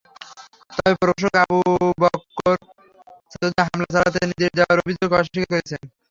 তবে প্রভাষক আবু বকর ছাত্রদের হামলা চালাতে নির্দেশ দেওয়ার অভিযোগ অস্বীকার করেছেন।